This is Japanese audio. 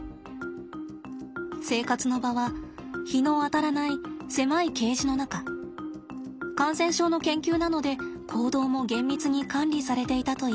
生活の場は日の当たらない狭いケージの中感染症の研究なので行動も厳密に管理されていたといいます。